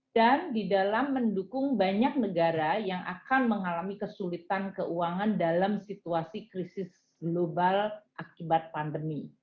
di dalam mendukung banyak negara yang akan mengalami kesulitan keuangan dalam situasi krisis global akibat pandemi